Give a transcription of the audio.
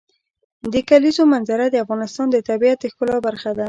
د کلیزو منظره د افغانستان د طبیعت د ښکلا برخه ده.